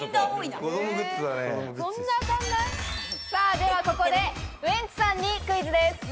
ではここでウエンツさんにクイズです。